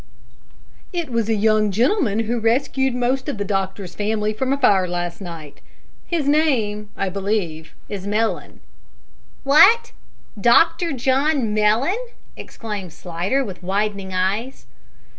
"It was a young gentleman who rescued most of the doctor's family from a fire last night. His name, I believe, is Mellon " "Wot! Doctor John Mellon?" exclaimed Slidder, with widening eyes.